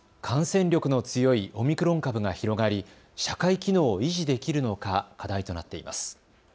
感染力の強いオミクロン株が広がり、社会機能を維持できるのか、課題となっています。